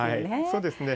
そうですね。